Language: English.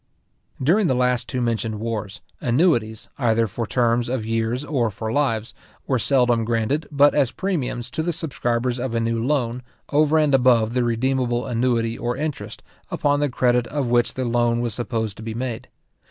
During the two last mentioned wars, annuities, either for terms of years or for lives, were seldom granted, but as premiums to the subscribers of a new loan, over and above the redeemable annuity or interest, upon the credit of which the loan was supposed to be made.